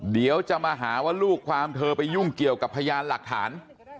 เดี๋ยวจะมาหาว่าลูกความเธอไปยุ่งเกี่ยวกับพยานหลักฐาน